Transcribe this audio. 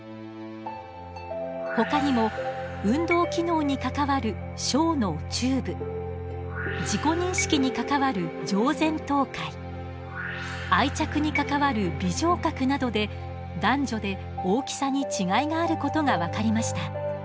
ほかにも運動機能に関わる小脳虫部自己認識に関わる上前頭回愛着に関わる尾状核などで男女で大きさに違いがあることが分かりました。